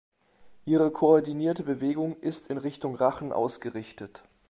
Ihre koordinierte Bewegung ist in Richtung Rachen ausgerichtet.